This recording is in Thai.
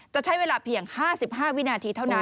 จะใช้เวลาเพียง๕๕วินาทีเท่านั้น